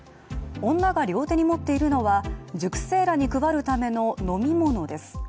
女が両手に持っているのは塾生らに配るための飲み物です。